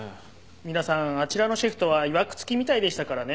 皆さんあちらのシェフとはいわく付きみたいでしたからね。